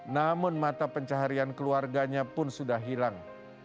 namun mata pencaharian keluarganya pun sudah hilang